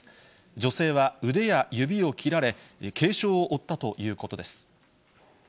女性は腕や指を切られ、軽傷を負ったということです。